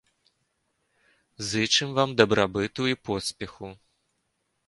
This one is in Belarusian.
Зычым вам дабрабыту і поспеху!